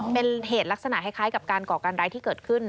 เป็นเหตุลักษณะคล้ายกับการก่อการร้ายที่เกิดขึ้น